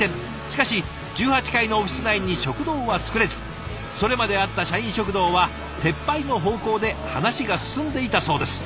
しかし１８階のオフィス内に食堂は作れずそれまであった社員食堂は撤廃の方向で話が進んでいたそうです。